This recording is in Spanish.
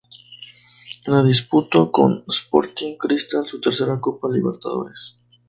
En la disputó con Sporting Cristal su tercera Copa Libertadores.